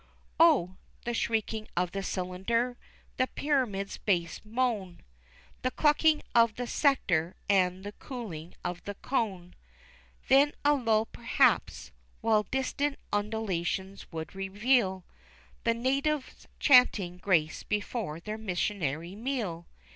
Oh! the shrieking of the Cylinder! the Pyramid's base moan, The clucking of the Sector and the cooing of the Cone! Then a lull perhaps, while distant ululations would reveal The natives chanting grace before their missionary meal.